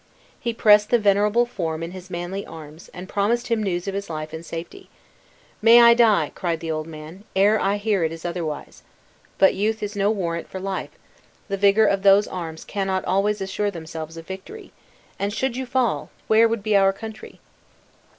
He pressed the venerable form in his manly arms, and promised him news of his life and safety. "May I die," cried the old man, "ere I hear it is otherwise! But youth is no warrant for life; the vigor of those arms cannot always assure themselves of victory; and should you fall, where would be our country?"